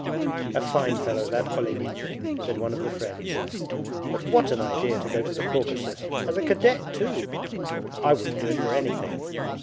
'A fine fellow, that Olenin!' said one of the friends. 'But what an idea to go to the Caucasus as a cadet, too! I wouldn't do it for anything.